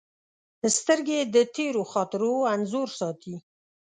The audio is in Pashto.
سترګې د تېرو خاطرو انځور ساتي